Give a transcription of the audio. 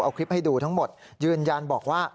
เอาคลิปให้ดูทั้งหมดยืนยันบอกว่า